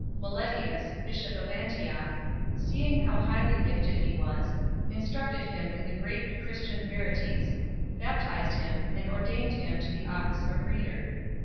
Meletius, bishop of Antioch, seeing how highly gifted he was, instructed him in the great Christian verities, bap tized him, and ordained him to the office of reader.